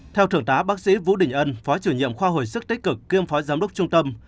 theo thượng tá bác sĩ vũ đình ân phó chủ nhiệm khoa hồi sức tích cực kiêm phó giám đốc trung tâm